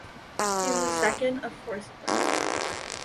He was the second of four siblings.